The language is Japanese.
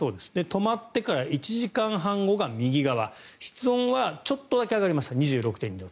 止まってから１時間半後が右側室温はちょっとだけ上がりました、２６．２度。